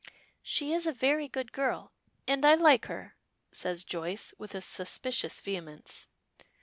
"She is a very good girl, and I like her," says Joyce, with a suspicious vehemence.